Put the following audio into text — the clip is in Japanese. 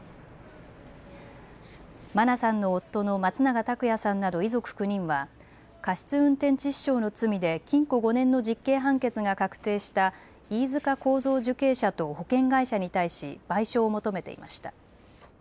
真菜さんの夫の松永拓也さんなど遺族９人は過失運転致死傷の罪で禁錮５年の実刑判決が確定した飯塚幸三受刑者と保険会社に対し賠償を求めていました。